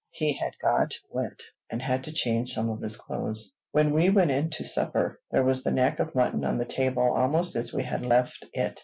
He had got wet, and had to change some of his clothes. When we went in to supper, there was the neck of mutton on the table, almost as we had left it.